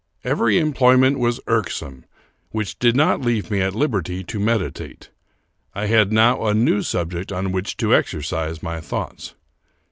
Every employment was irksome which did not leave me at liberty to m^editate. I had now a new subject on which to exercise my thoughts.